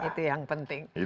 nah itu yang penting